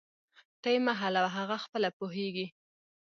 ته یې مه حلوه، هغه خپله پوهیږي